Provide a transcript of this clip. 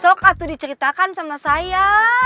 sok atuh diceritakan sama saya